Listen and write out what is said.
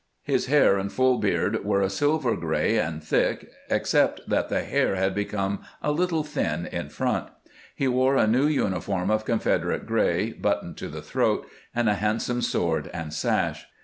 His hair and full beard were a silver gray, and thick, ex cept that the hair had become a little thin in front. He wore a new uniform of Confederate gray, buttoned to the throat, and a handsome sword and sash.